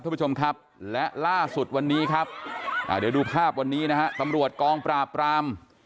ท่านผู้ชมครับและล่าสุดวันนี้ครับเดี๋ยวดูภาพวันนี้นะฮะตำรวจกองปราบราม